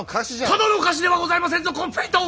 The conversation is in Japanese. ただの菓子ではございませんぞコンフェイト！